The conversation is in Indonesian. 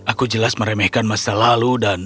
aku jelas meremehkan masa lalu dan